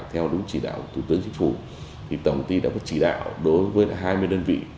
theo đúng chỉ đạo của thủ tướng chính phủ thì tổng ty đã có chỉ đạo đối với hai mươi đơn vị